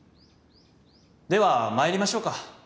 では参りましょうか。